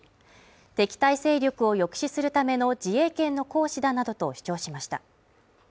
敵対勢力を抑止するための自衛権の行使だなどと主張しました。